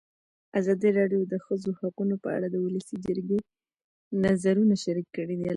ازادي راډیو د د ښځو حقونه په اړه د ولسي جرګې نظرونه شریک کړي.